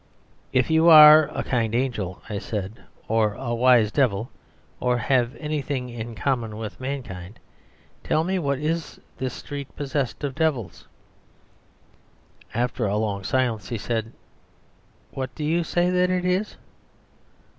"'If you are a kind angel,' I said, 'or a wise devil, or have anything in common with mankind, tell me what is this street possessed of devils.' "After a long silence he said, 'What do you say that it is?